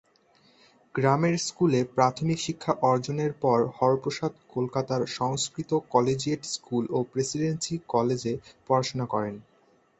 গ্রামের স্কুলে প্রাথমিক শিক্ষা অর্জনের পর হরপ্রসাদ কলকাতার সংস্কৃত কলেজিয়েট স্কুল ও প্রেসিডেন্সি কলেজে পড়াশোনা করেন।